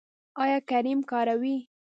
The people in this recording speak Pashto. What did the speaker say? ایا کریم کاروئ؟